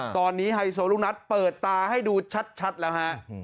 ตอนนี้ไฮโซลูกนัทเปิดตาให้ดูชัดแล้วฮะ